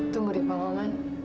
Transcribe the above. tunggu deh pak maman